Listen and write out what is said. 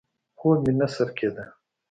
خوب مې نه سر کېده.